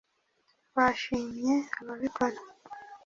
twashimye ababikora